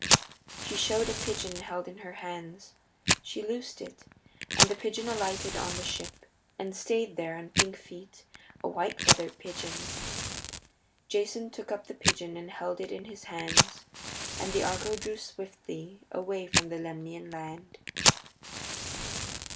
She showed a pigeon held in her hands. She loosed it, and the pigeon alighted on the ship, and stayed there on pink feet, a white feathered pigeon. Jason took up the pigeon and held it in his hands, and the Argo drew swiftly away from the Lemnian land.